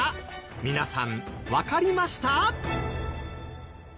皆さんわかりました？